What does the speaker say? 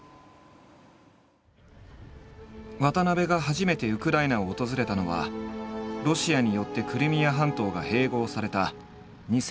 渡部が初めてウクライナを訪れたのはロシアによってクリミア半島が併合された２０１４年。